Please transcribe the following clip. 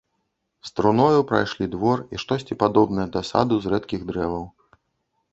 З труною прайшлі двор і штосьці падобнае да саду з рэдкіх дрэваў.